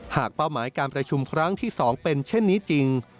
เป้าหมายการประชุมครั้งที่๒เป็นเช่นนี้จริง